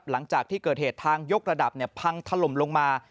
หลังจากที่เกิดเหตุทางยกระดับพังถล่มลงมา